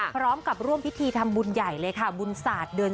พร้อมกับร่วมพิธีทำบุญใหญ่เลยค่ะบุญศาสตร์เดือน